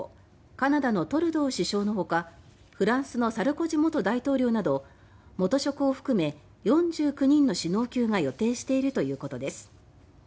カナダのトルドー首相のほかフランスのサルコジ元大統領など元職を含め４９人の首脳級が予定しているということです。